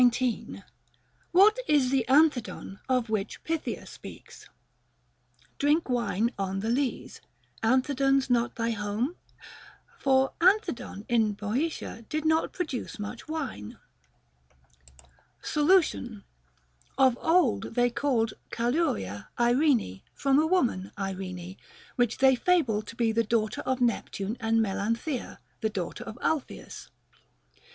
What is the Anthedon of which Pythia speaks, Drink wine on th' lees, Anthedon's not thy home f For Anthedon in Boeotia did not produce much wine. Solution. Of old they called Calauria Irene from a woman Irene, which they fable to be the daughter of Nep tune and Melanthea, the daughter of Alpheus.